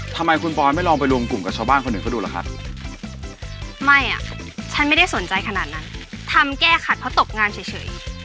ทำแก้ขัดเพราะตบงานเฉย